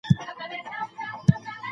ښارونه ډیر لوی سول.